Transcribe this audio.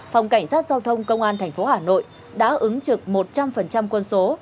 phòng cảnh sát giao thông công an tp hà nội đã ứng trực một trăm linh quân số